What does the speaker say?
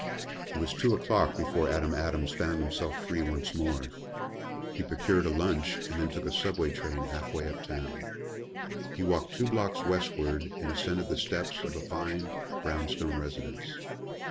It was two o'clock before Adam Adams found himself free once more. He procured a lunch and then took a subway train halfway uptown. He walked two blocks westward and ascended the steps of a fine brown stone residence.